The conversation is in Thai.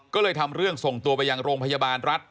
ก็เลยทำเรื่องส่งตัวไปยังโรงพยาบาลรัฐ